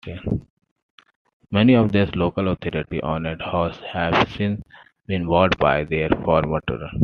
Many of these local authority-owned houses have since been bought by their former tenants.